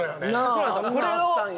そうなんですよ。